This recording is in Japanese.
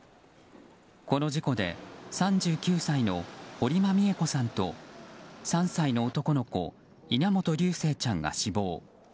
この事故で３９歳の堀間美恵子さんと３歳の男の子稲本琉正ちゃんが死亡。